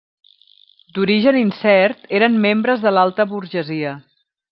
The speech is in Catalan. D'origen incert, eren membres de l'alta burgesia.